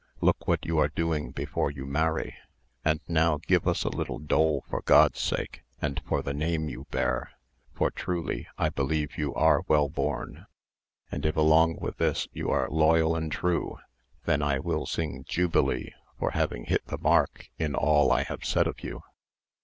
Look what you are doing before you marry; and now give us a little dole for God's sake and for the name you bear; for truly I believe you are well born, and if along with this you are loyal and true, then I will sing jubilee for having hit the mark in all I have said to you."